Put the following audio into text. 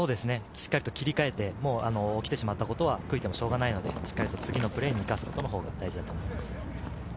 しっかりと切り替えて、起きてしまったことは悔いてもしょうがないので、しっかりと次のプレーに生かすことが大事だと思います。